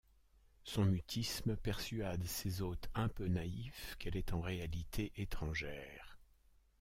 Son mutisme persuade ses hôtes un peu naïfs qu’elle est en réalité étrangère.